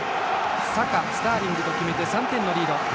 サカ、スターリングと決めて３点のリード。